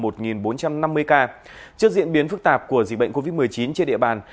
trước diễn biến phức tạp của dịch bệnh covid một mươi chín trên địa bàn